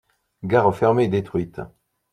Gare fermée et détruite.